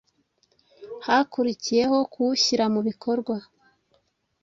hakurikiyeho kuwushyira mu bikorwa.